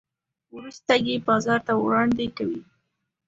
وروسته یې بازار ته وړاندې کوي.